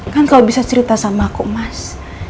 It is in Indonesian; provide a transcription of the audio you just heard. kan kalau bisa cerita sama aku mas